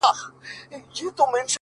• پر دوکان بېهوښه ناست لکه لرګی وو,